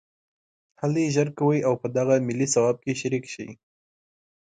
هلئ ژر کوئ او په دغه ملي ثواب کې شریک شئ